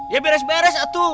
ya beres beres itu